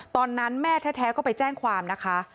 ตอนนั้นแม่แท้ก็ไปแจ้งความนะคะ